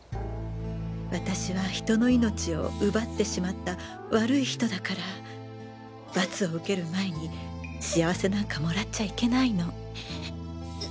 私は人の命をうばってしまった悪い人だから罰を受ける前に幸せなんかもらっちゃいけないの。